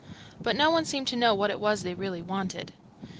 but no one seemed to know what it was they really wanted.